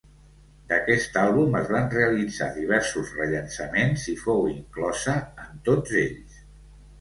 D'aquest àlbum es van realitzar diversos rellançaments i fou inclosa en tots ells.